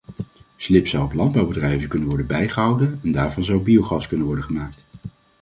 Slib zou op landbouwbedrijven kunnen worden bijgehouden en daarvan zou biogas kunnen worden gemaakt.